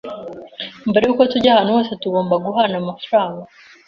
Mbere yuko tujya ahantu hose, tugomba guhana amafaranga.